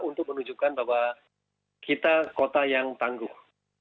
untuk menunjukkan bahwa kita kota yang tangguh